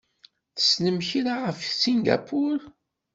Tessnem kra ɣef Singapur?